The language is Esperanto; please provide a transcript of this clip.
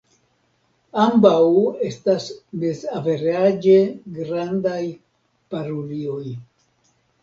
Ambaŭ estas mezaveraĝe grandaj parulioj.